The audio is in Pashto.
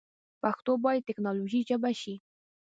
پښتو باید د ټیکنالوجۍ ژبه شي.